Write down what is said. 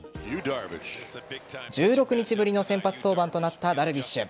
１６日ぶりの先発登板となったダルビッシュ。